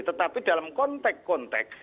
tetapi dalam kontek kontek